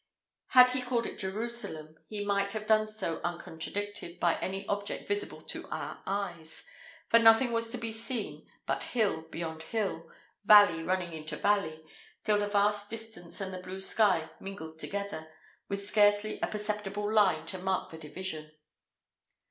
Had he called it Jerusalem, he might have done so uncontradicted by any object visible to our eyes, for nothing was to be seen but hill beyond hill, valley running into valley, till the far distance and the blue sky mingled together, with scarcely a perceptible line to mark the division.